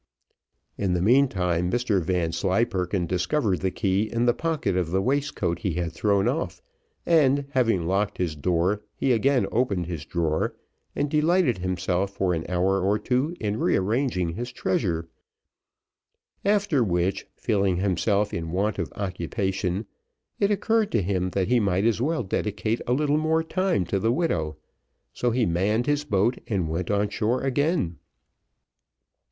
In the meantime, Mr Vanslyperken discovered the key in the pocket of the waistcoat he had thrown off, and having locked his door, he again opened his drawer, and delighted himself for an hour or two in re arranging his treasure; after which, feeling himself in want of occupation, it occurred to him, that he might as well dedicate a little more time to the widow, so he manned his boat and went on shore again.